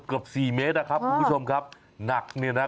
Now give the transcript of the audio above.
เกือบสี่เมตรนะครับคุณผู้ชมครับหนักเนี่ยนะ